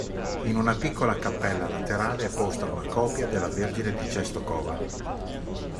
In una piccola cappella laterale è posta una copia della Vergine di Częstochowa.